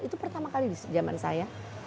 itu pertama kali di zaman saya